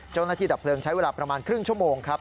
เจ้าหน้าที่ดับเพลิงใช้เวลาประมาณครึ่งชั่วโมงครับ